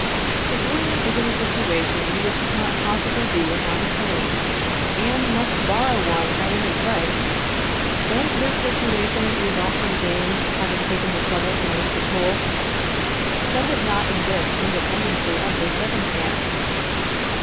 If William is in a situation in which he cannot possibly do without a plane, and must borrow one at any price, does this situation result from James having taken the trouble to make the tool? Does it not exist independently of this circumstance?